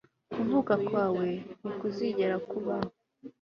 kuvuka kwawe ntikuzigera kubaho